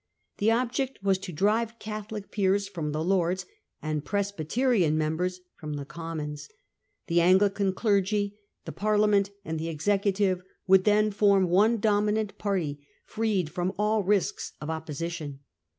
The object was to drive Catholic peers from the Lords and Presbyterian members from the Commons ; the Anglican clergy, the Parliament, and the executive would then form one dominant party, freed from all risks of opposition.